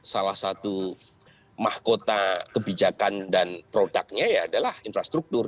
salah satu mahkota kebijakan dan produknya ya adalah infrastruktur